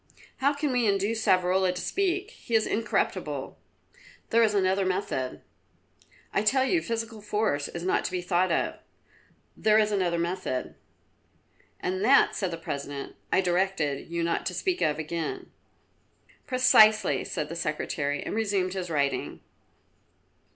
"How can we induce Savrola to speak? He is incorruptible." "There is another method." "I tell you physical force is not to be thought of." "There is another method." "And that," said the President, "I directed you not to speak of again." "Precisely," said the Secretary, and resumed his writing.